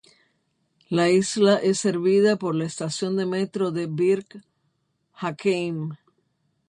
La isla es servida por la estación de metro de Bir-Hakeim.